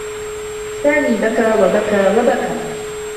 سامي بكى و بكى و بكى.